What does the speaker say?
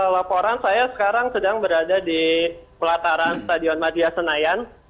laporan saya sekarang sedang berada di pelataran stadion madia senayan